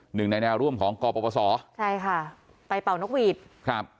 หนึ่งในแนวร่วมของกปศใช่ค่ะไปเป่านกหวีดครับ